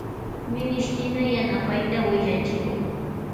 Minishtina yanapayta willachiway.